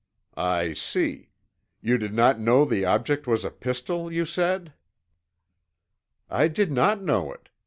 "I see. You did not know the object was a pistol you said?" "I did not know it.